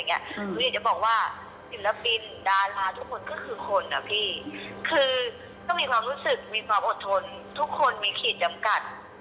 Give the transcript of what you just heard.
อยากจะบอกว่าศิลปินดาลาทุกคนจบขึ้นเป็นคนหน้าพี่คุณต้องมีความรู้สึกมีความอดทนทุกคนมีขีดจำกัด